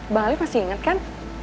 bang alif masih inget kan